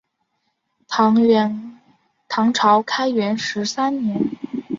唐朝开元十三年。